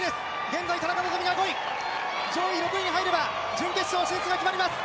現在、田中希実、５位！上位６位に入れば準決勝進出が決まります。